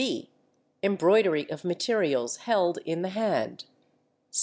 (b) Embroidery of materials held in the hand.